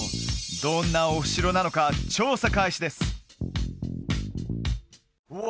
どんなお城なのか調査開始ですうわ